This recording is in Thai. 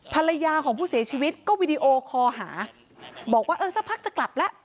ภรรยาของผู้เสียชีวิตก็วิดีโอคอหาบอกว่าเออสักพักจะกลับแล้ว